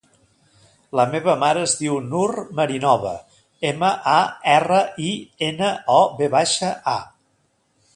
La meva mare es diu Nur Marinova: ema, a, erra, i, ena, o, ve baixa, a.